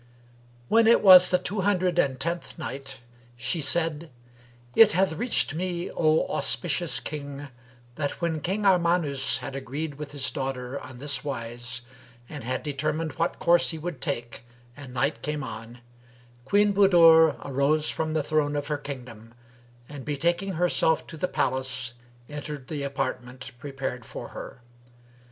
When it was the Two Hundred and Tenth Night, She said, It hath reached me, O auspicious King, that when King Armanus had agreed with his daughter on this wise and had determined what course he would take and night came on, Queen Budur arose from the throne of her kingdom and betaking herself to the palace, entered the apartment prepared for her.